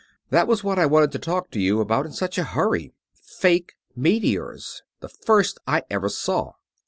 That was what I want to talk to you about in such a hurry fake meteors; the first I ever saw."